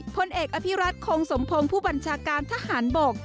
พลเอกอภิรัตคงสมพงศ์ผู้บัญชาการทหารบก